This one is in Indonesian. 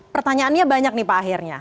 pertanyaannya banyak nih pak akhirnya